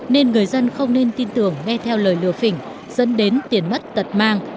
nên người dân không nên tin tưởng nghe theo lời lừa phỉnh dẫn đến tiền mất tật mang